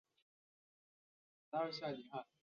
毕业于新疆大学生物学专业。